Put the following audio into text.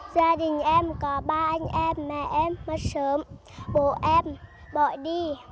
gia đình em có ba anh em mẹ em mất sớm bố em bỏ đi